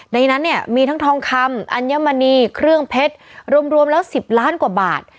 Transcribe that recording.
ในนั้นเนี่ยมีทั้งทองคำอัญมณีเครื่องเพชรรวมแล้ว๑๐ล้านกว่าบาท